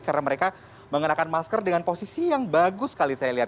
karena mereka mengenakan masker dengan posisi yang bagus sekali saya lihat